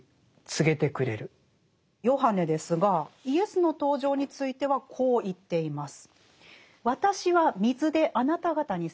ヨハネですがイエスの登場についてはこう言っています。